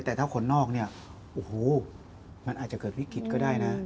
แต่ถ้าคนนอกเนี่ยโอ้โหมันอาจจะเกิดวิกฤตก็ได้นะ